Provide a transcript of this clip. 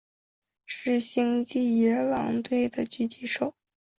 是星际野狼队的狙击手。